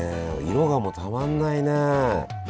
色がもうたまんないねえ。